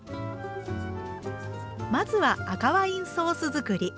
まずは赤ワインソース作り。